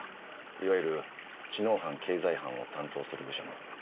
いわゆる知能犯経済犯を担当する部署の敏腕刑事でした。